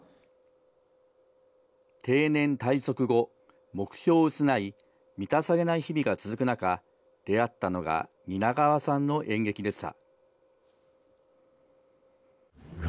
定年退職後、目標を失い、満たされない日々が続く中、出会ったのが蜷川さんの演劇でした。